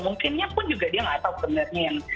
mungkinnya pun juga dia nggak tahu sebenarnya yang